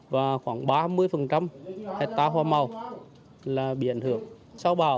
và khoảng ba mươi hệ ta hoa màu là bị ảnh hưởng sau bão